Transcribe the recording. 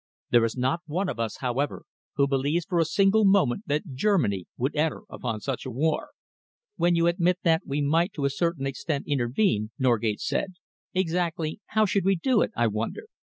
There is not one of us, however, who believes for a single moment that Germany would enter upon such a war." "When you admit that we might to a certain extent intervene," Norgate said, "exactly how should we do it, I wonder?